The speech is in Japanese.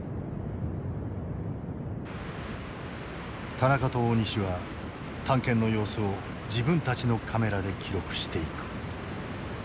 田中と大西は探検の様子を自分たちのカメラで記録していく。